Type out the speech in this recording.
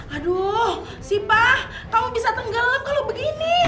aduh sipa kamu bisa tenggelam kalau begini